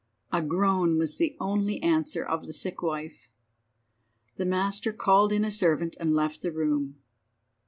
A groan was the only answer of the sick wife. The master called in a servant and left the room.